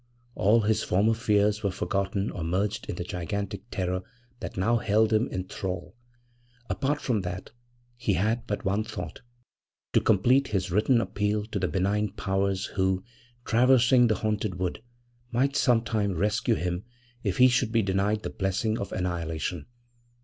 All his former fears were forgotten or merged in the gigantic terror that now held him in thrall. Apart from that, he had but one thought: to complete his written appeal to the benign powers who, traversing the haunted wood, might sometime rescue him if he should be denied the blessing of annihilation.